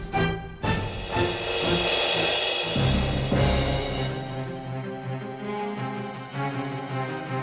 masa ini aku mau ke rumah